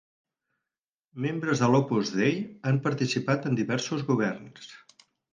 Membres de l'Opus Dei han participat en diversos governs.